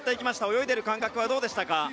泳いでいる感覚はどうでしたか。